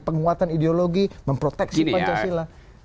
penguatan ideologi memproteksi pancasila